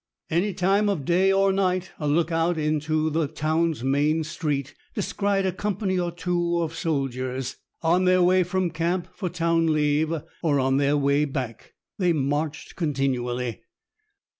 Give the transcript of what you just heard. Any time of day or night, a look out into the town's main street descried a company or two of soldiers, on their way from camp for town leave, or on their way back. They marched continually.